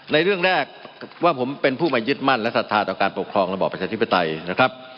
เรื่องแรกว่าผมเป็นผู้มายึดมั่นและศรัทธาต่อการปกครองระบอบประชาธิปไตยนะครับ